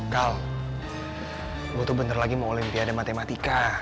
kal gue tuh bentar lagi mau olimpiade matematika